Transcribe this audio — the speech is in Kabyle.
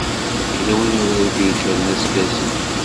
Yella win ara d-yekkren azekka zik?